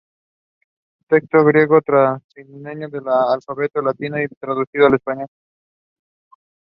Texto griego, transliteración al alfabeto latino y traducción al español.